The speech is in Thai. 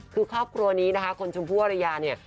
คือครอบครัวนี้นะคะคุณชมพู่อรยาเนี่ย